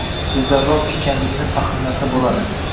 Go’zalroq ekanligini fahmlasa bo’ladi.